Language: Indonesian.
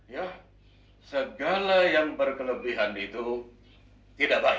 ya segala yang berlebihan itu tidak baik